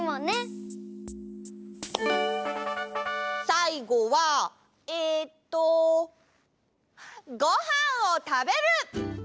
さいごはえっと「ごはんをたべる」だね！